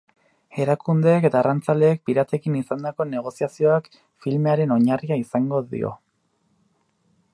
Erakundeek eta arrantzaleek piratekin izandako negoziazioak filmearen oinarria izango dio.